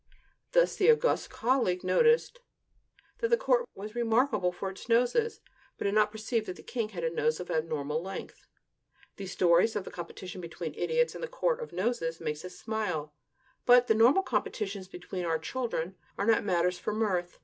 Thus the august colleague noticed that the court was remarkable for its noses, but did not perceive that the king had a nose of abnormal length. These stories of the competition between idiots and the court of noses make us smile; but the normal competitions between our children are not matters for mirth.